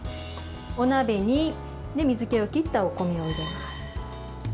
お鍋に水けを切ったお米を入れます。